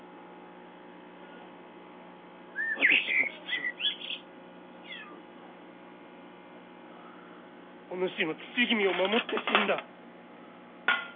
私の父はお主の父君を守って死んだ。